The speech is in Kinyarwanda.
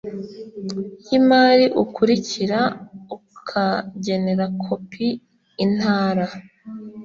y imari ukurikira ukagenera kopi Intara